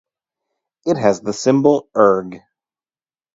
It has the symbol "erg".